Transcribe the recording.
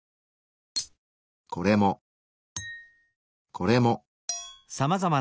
これも。これも。